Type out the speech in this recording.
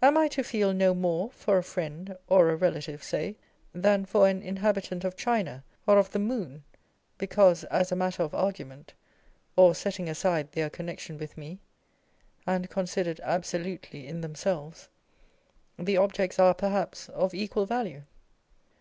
Am I to feel no more for a friend or a relative (say) than for an inhabitant of China or of the Moon, because, as a matter of argument, or setting aside their connection with me, and considered absolutely in themselves, the objects are, perhaps, of equal value